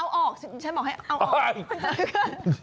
เอาออกฉันบอกให้เอาออก